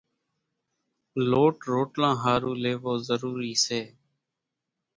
لوٽ روٽلان ۿارُو ليوو ضروري سي۔